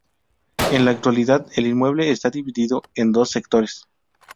En la actualidad el inmueble está dividido en dos sectores.